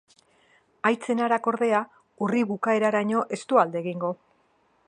Haitz-enarak, ordea, urri bukaeraraino ez du alde egingo.